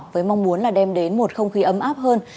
với mong muốn là đem đến một không khí ấm áp hơn